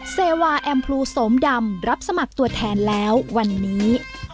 เซวาแอมพลูสมดำรับสมัครตัวแทนแล้ววันนี้